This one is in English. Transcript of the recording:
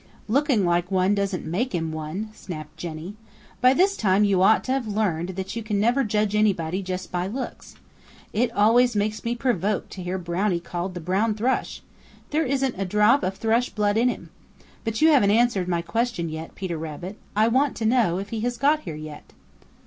"Looking like one doesn't make him one," snapped Jenny. "By this time you ought to leave learned that you never can judge anybody just by looks. It always makes me provoked to hear Brownie called the Brown Thrush. There isn't a drop of Thrush blood in him. But you haven't answered my question yet, Peter Rabbit. I want to know if he has got here yet."